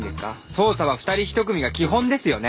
捜査は二人一組が基本ですよね？